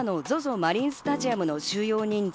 マリンスタジアムの収容人数